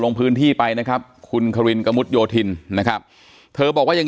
ลงพื้นที่ไปนะครับคุณควินกระมุดโยธินนะครับเธอบอกว่ายัง